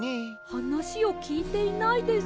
はなしをきいていないです。